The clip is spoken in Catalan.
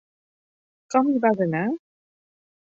Com hi vas anar?